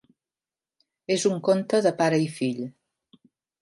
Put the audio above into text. És un conte de pare i fill.